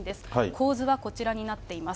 構図はこちらになっています。